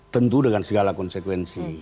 tentu dengan segala konsekuensi